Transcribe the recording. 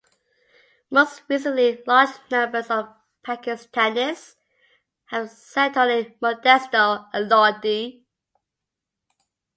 Most recently large numbers of Pakistanis have settled in Modesto and Lodi.